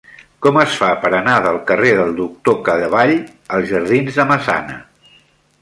Com es fa per anar del carrer del Doctor Cadevall als jardins de Massana?